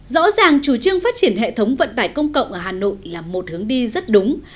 rõ ràng chủ trương phát triển hệ thống vận tải công cộng ở hà nội là một hướng đi rất đúng